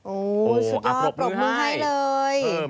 โอ้สุดท้อปรบมือให้เลย